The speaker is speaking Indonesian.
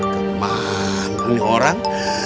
kemang ini orang